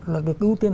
là cái ưu tiên